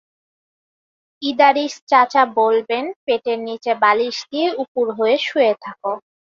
ইদারিস চাচা বলবেন, পেটের নিচে বালিশ দিয়ে উপুড় হয়ে শুয়ে থাক।